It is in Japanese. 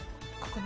ここ。